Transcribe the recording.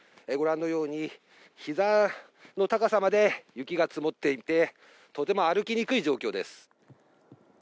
ご覧のように、ひざの高さまで雪が積もっていて、とても歩きにくい状況です。